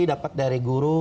dapat dari guru